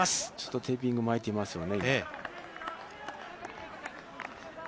テーピング巻いていますよね。